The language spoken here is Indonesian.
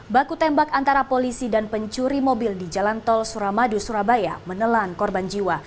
baku tembak antara polisi dan pencuri mobil di jalan tol suramadu surabaya menelan korban jiwa